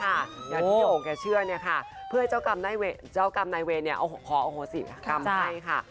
อย่างที่โอ่งแกเชื่อเนี่ยค่ะเพื่อให้เจ้ากรรมนายเวรขอโอโหสิกรรมให้ค่ะ